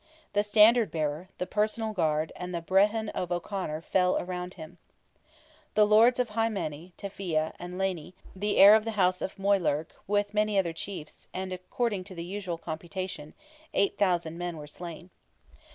The standard bearer, the personal guard, and the Brehon of O'Conor fell around him. The lords of Hy Many, Teffia, and Leyny, the heir of the house of Moylurg, with many other chiefs, and, according to the usual computation, 8,000 men were slain.